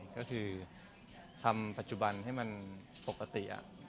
ก็คือทำปัจจุบันให้มันปกติ